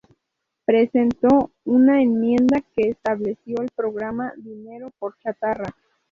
Presentó una enmienda que estableció el programa "Dinero por Chatarra".